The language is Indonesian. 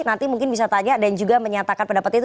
nanti mungkin bisa tanya dan juga menyatakan pendapat itu